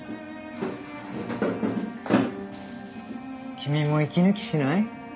君も息抜きしない？